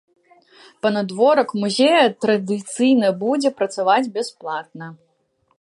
Панадворак музея традыцыйна будзе працаваць бясплатна.